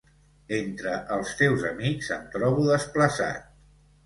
Entre els teus amics em trobo desplaçat.